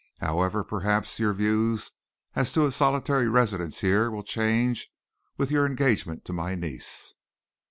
However, perhaps your views as to a solitary residence here will change with your engagement to my niece."